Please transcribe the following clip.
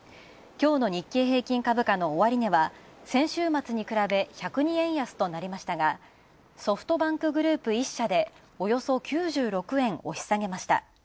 きょうの日経平均株価の終値は先週末に比べ、１０２円安となりましたが、ソフトバンクグループ１社でおよそ９６円押し下げました。